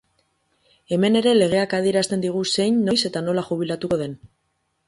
Hemen ere legeak adierazten digu zein, noiz eta nola jubilatuko den.